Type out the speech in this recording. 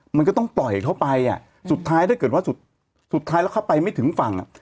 มันก็ต้องปล่อยเข้าไปอ่ะสุดท้ายถ้าเกิดว่าสุดท้ายแล้วเข้าไปไม่ถึงฝั่งอ่ะ